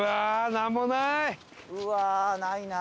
うわーないなあ。